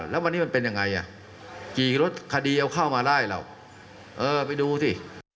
แล้ววันนี้มันเป็นยังไงอ่ะขี่รถคดีเอาเข้ามาไล่เราเออไปดูสิ